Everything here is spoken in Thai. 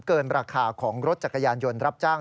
เกินราคาของรถจักรยานยนต์รับจ้าง